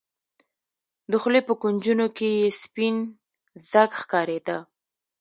د خولې په کونجونو کښې يې سپين ځګ ښکارېده.